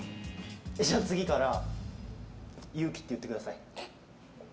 じゃ、次から有輝って言ってください。